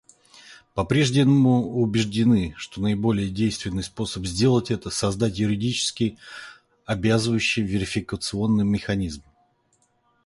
По-прежнему убеждены, что наиболее действенный способ сделать это — создать юридически обязывающий верификационный механизм.